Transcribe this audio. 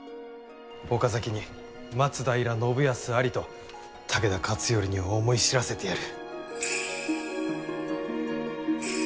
岡崎に松平信康ありと武田勝頼に思い知らせてやる。